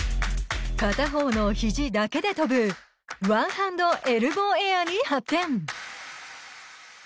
片方の肘だけで飛ぶワンハンドエルボーエアーに発展。